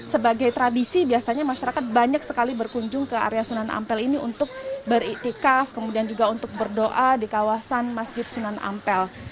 sebagai tradisi biasanya masyarakat banyak sekali berkunjung ke area sunan ampel ini untuk beriktikaf kemudian juga untuk berdoa di kawasan masjid sunan ampel